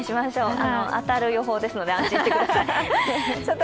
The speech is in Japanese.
当たる予報ですので、安心してください。